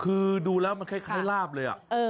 คือดูแล้วมันคล้ายลาบเลย